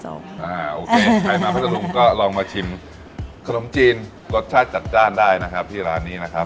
โอเคใครมาพัทธรุงก็ลองมาชิมขนมจีนรสชาติจัดจ้านได้นะครับที่ร้านนี้นะครับ